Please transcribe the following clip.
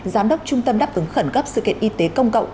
giám đốc trung tâm đáp ứng khẩn cấp sự kiện y tế công cộng